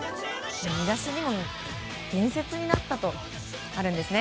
見出しにも伝説になったとあるんですね。